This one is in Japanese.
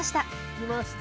着きました！